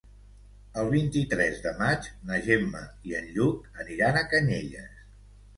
El vint-i-tres de maig na Gemma i en Lluc aniran a Canyelles.